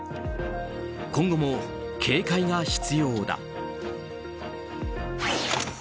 今後も警戒が必要だ。